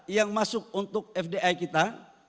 yang masuk untuk fdi kita